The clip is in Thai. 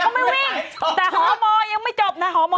เขาไม่วิ่งแต่หอมอยังไม่จบนะหอมอ